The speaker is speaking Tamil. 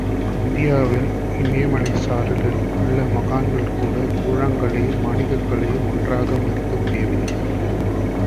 இந்தியாவில் இமயமலைச்சாரலில் உள்ள மகானால்கூட கூழாங் கல்லையும், மாணிக்கக் கல்லையும் ஒன்றாக மதிக்க முடியவில்லை.